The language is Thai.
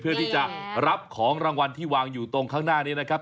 เพื่อที่จะรับของรางวัลที่วางอยู่ตรงข้างหน้านี้นะครับ